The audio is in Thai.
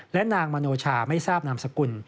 และนางมโนชาไม่ทราบนามสกุล